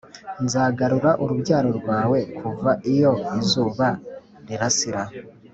nzagarura urubyaro rwawe kuva iyo izuba rirasira,